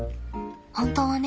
本当はね